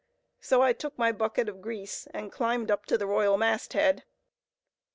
So I took my bucket of grease and climbed up to the royal mast head.